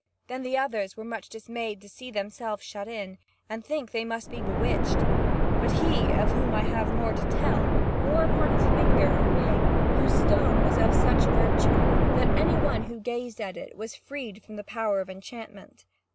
Then the others were much dismayed to see themselves shut in, and they think they must be bewitched. But he, of whom I have more to tell, wore upon his finger a ring, whose stone was of such virtue that any one who gazed at it was freed from the power of enchantment.